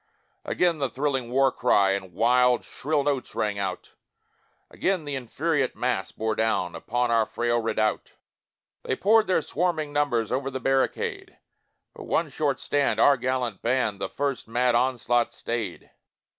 Again the thrilling war cry In wild shrill notes rang out, Again th' infuriate mass bore down Upon our frail redoubt; They poured their swarming numbers Over the barricade But one short stand, our gallant band That first mad onslaught stayed.